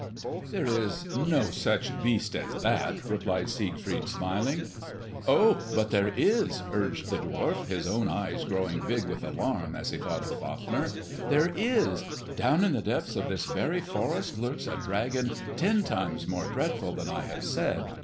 "There is no such beast as that," replied Siegfried smiling. "Oh, but there is!" urged the dwarf, his own eyes growing big with alarm as he thought of Fafner. "There is! Down in the depths of this very forest lurks a dragon ten times more dreadful than I have said.